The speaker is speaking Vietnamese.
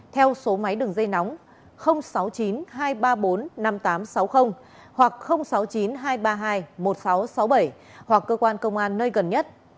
theo số máy đường dây nóng sáu mươi chín hai trăm ba mươi bốn năm nghìn tám trăm sáu mươi hoặc sáu mươi chín hai trăm ba mươi hai một nghìn sáu trăm sáu mươi bảy hoặc cơ quan công an nơi gần nhất